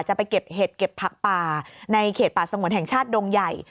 จะไปเก็บเห็ดเก็บผักป่าในเขตป่าสงวนแห่งชาติดงใหญ่